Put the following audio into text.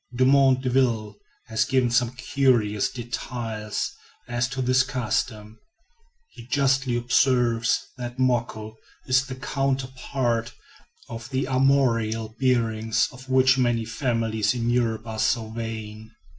Dumont D'Urville has given some curious details as to this custom. He justly observes that "moko" is the counterpart of the armorial bearings of which many families in Europe are so vain.